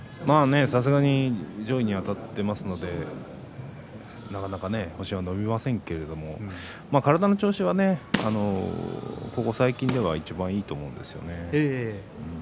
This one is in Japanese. さすがに上位にあたっていますのでなかなかね星が伸びませんけれども体の調子は、ここ最近ではいちばんいいと思うんですよね。